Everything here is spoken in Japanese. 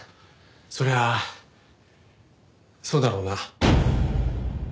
そりゃあそうだろうな。